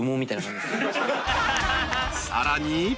［さらに］